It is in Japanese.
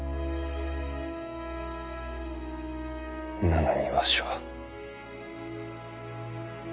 なのにわしは。